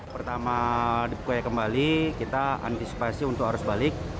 pertama dibukanya kembali kita antisipasi untuk harus balik